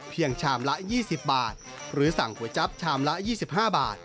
ชามละ๒๐บาทหรือสั่งก๋วยจั๊บชามละ๒๕บาท